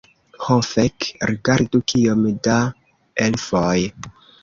Ho, fek' rigardu kiom da elfoj